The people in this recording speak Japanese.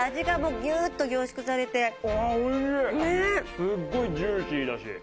すごいジューシーだし。